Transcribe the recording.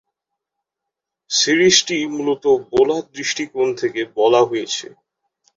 সিরিজটি মূলত বেলার দৃষ্টিকোণ থেকে বলা হয়েছে।